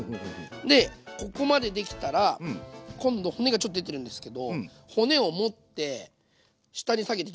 でここまでできたら今度骨がちょっと出てるんですけど骨を持って下に下げていきます。